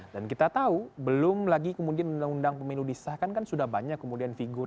dan kita tahu belum lagi kemudian undang undang pemilu disah kan kan sudah banyak kemudian figurasi